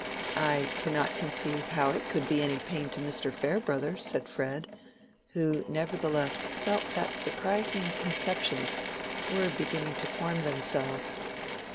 "I cannot conceive how it could be any pain to Mr. Farebrother," said Fred, who nevertheless felt that surprising conceptions were beginning to form themselves.